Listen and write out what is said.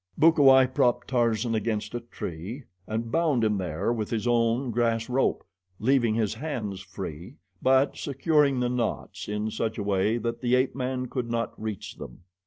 Bukawai propped Tarzan against a tree and bound him there with his own grass rope, leaving his hands free but securing the knots in such a way that the ape man could not reach them.